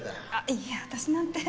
いえ私なんて。